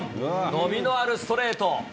伸びのあるストレート。